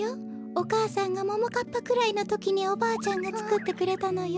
お母さんがももかっぱくらいのときにおばあちゃんがつくってくれたのよ。